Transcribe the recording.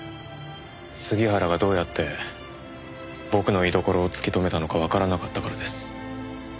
杉原がどうやって僕の居所を突き止めたのかわからなかったからです。